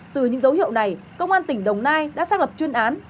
từ những dấu hiệu này công an tỉnh đồng nai đã xác lập chuyên án